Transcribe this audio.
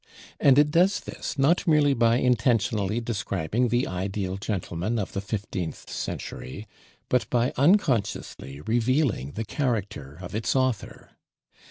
And it does this not merely by intentionally describing the ideal gentleman of the fifteenth century, but by unconsciously revealing the character of its author.